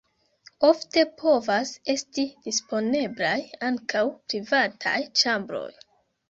Ofte povas esti disponeblaj ankaŭ privataj ĉambroj.